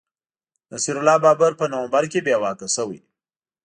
نصیر الله بابر په نومبر کي بې واکه شوی